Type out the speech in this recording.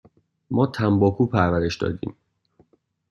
ما تنباکو پرورش دادیم.